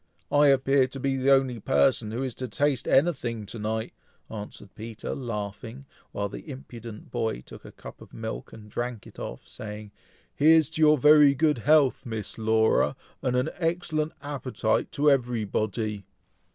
I appear to be the only person who is to taste anything to night," answered Peter, laughing, while the impudent boy took a cup of milk, and drank it off, saying, "Here's to your very good health, Miss Laura, and an excellent appetite to everybody!"